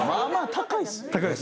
高いですよ。